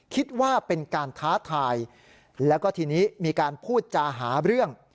คิดว่าเป็นการท้าทายแล้วก็ทีนี้มีการพูดจาหาเรื่อง